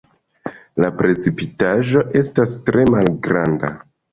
La precipitaĵo estas tre malgranda.